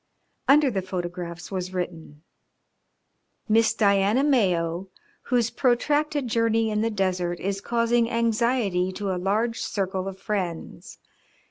Under the photographs was written: "Miss Diana Mayo, whose protracted journey in the desert is causing anxiety to a large circle of friends.